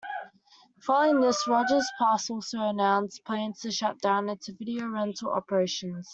Following this, Rogers Plus also announced plans to shut down its video rental operations.